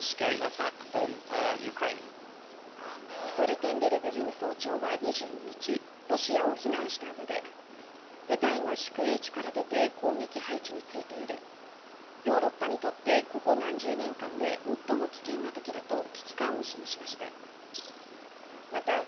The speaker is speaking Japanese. ストルテンベルグ事務総長は２２日、ロシアを非難したうえで部隊が宿営地から出て攻撃配置についている、ヨーロッパにとってここ何十年間で最も危険なときだと危機感を示しました。